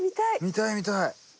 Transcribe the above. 見たい見たい。